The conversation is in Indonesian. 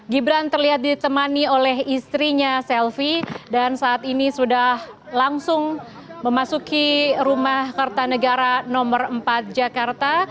gibran terlihat ditemani oleh istrinya selvi dan saat ini sudah langsung memasuki rumah kertanegara nomor empat jakarta